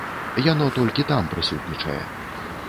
Яно толькі там прысутнічае.